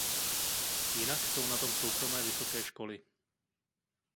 Jinak jsou na tom soukromé vysoké školy.